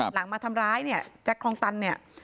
มาทำร้ายเนี่ยแจ็คคลองตันเนี่ย